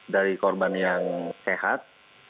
dari korban yang sehat